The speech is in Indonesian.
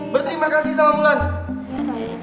berterima kasih sama pulan